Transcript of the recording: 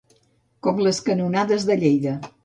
Com les canonades de Lleida.